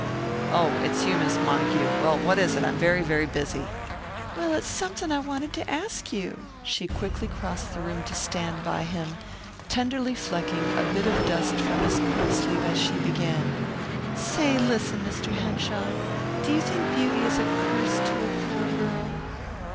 "Oh, it's you, Miss Montague! Well, what is it? I'm very, very busy." "Well, it's something I wanted to ask you." She quickly crossed the room to stand by him, tenderly flecking a bit of dust from his coat sleeve as she began, "Say, listen, Mr. Henshaw: Do you think beauty is a curse to a poor girl?"